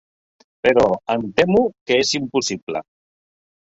Però em temo que és impossible.